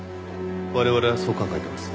我々はそう考えてます。